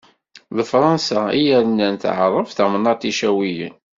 D Fransa i yernan tɛerreb tamennaṭ Icawiyen.